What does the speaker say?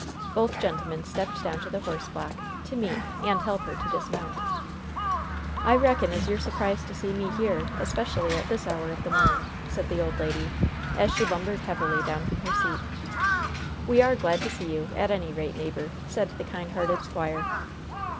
Both gentlemen stepped down to the horse block to meet and help her to dismount. "I reckon as you're surprised to see me here, especially at this hour of the morning?" said the old lady, as she lumbered heavily down from her seat. "We are glad to see you, at any rate, neighbor," said the kind hearted squire.